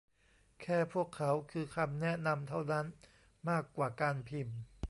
แค่พวกเขาคือคำแนะนำเท่านั้นมากกว่าการพิมพ์